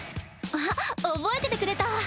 あっ覚えててくれた。